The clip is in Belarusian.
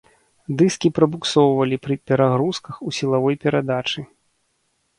Дыскі прабуксоўвалі пры перагрузках ў сілавой перадачы.